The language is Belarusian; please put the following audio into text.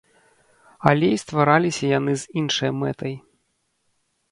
Але і ствараліся яны з іншай мэтай.